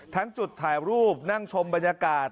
ทั้งจุดถ่ายรูปนั่งชมบรรยากาศ